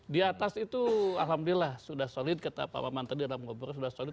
di atas itu alhamdulillah sudah solid kata pak maman tadi dalam ngobrol sudah solid